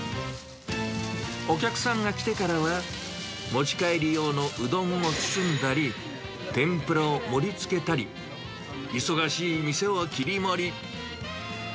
お客さんが来てからは、持ち帰り用のうどんを包んだり、天ぷらを盛りつけたり、忙しい店を切り盛り。